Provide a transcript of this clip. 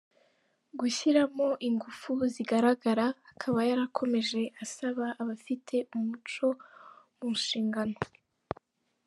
gushyiramo ingufu zigaragara, akaba yarakomeje asaba abafite umuco mu nshingano.